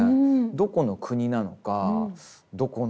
どこの国なのかどこの村なのか。